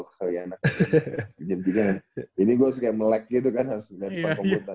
ini gue harus kayak melek gitu kan harus ngeliat di komputer